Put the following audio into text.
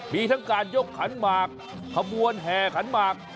มีทั้งการยกขันหมากขบวนแห่ขันหมาก